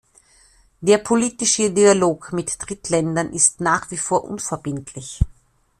Der politische Dialog mit Drittländern ist nach wie vor unverbindlich.